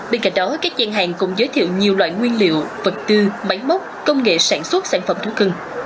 bên cạnh đó các gian hàng cũng giới thiệu nhiều loại nguyên liệu vật tư máy móc công nghệ sản xuất sản phẩm thú cưng